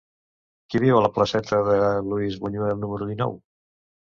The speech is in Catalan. Qui viu a la placeta de Luis Buñuel número dinou?